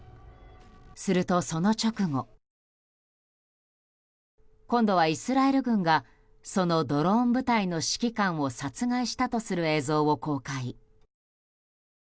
すると、その直後今度はイスラエル軍がそのドローン部隊の指揮官を殺害したとする映像を公開。